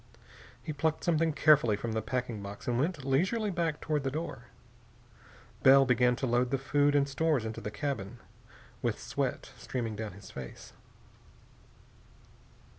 He plucked something carefully from the packing box and went leisurely back toward the door. Bell began to load the food and stores into the cabin, with sweat streaming down his face.